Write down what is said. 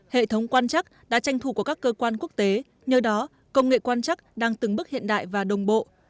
hệ thống quan chắc đã tranh thủ của các cơ quan quốc tế nhờ đó công nghệ quan chắc đang từng bước hiện đại và đồng bộ